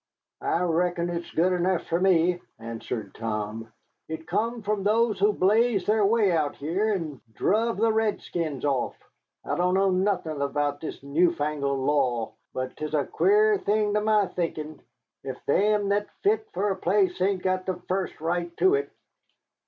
"I reckon it's good enough fer me," answered Tom. "It come from those who blazed their way out here and druv the redskins off. I don't know nothin' about this newfangled law, but 'tis a queer thing to my thinkin' if them that fit fer a place ain't got the fust right to it."